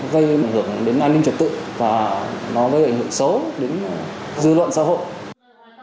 gây ảnh hưởng đến an ninh trật tự và nó mới ảnh hưởng xấu đến dư luận xã hội